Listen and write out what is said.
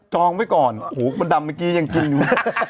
องไว้ก่อนโอ้โหคนดำเมื่อกี้ยังกินอยู่